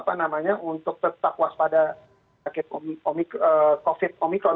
nah cara yang lain untuk tetap waspada covid sembilan belas omicron